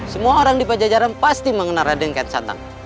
semua orang di pajajaran pasti mengenal rade kian santang